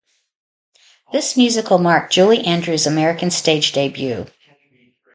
This musical marked Julie Andrews' American stage debut.